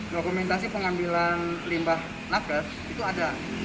dokumentasi pengambilan limbah nakas itu ada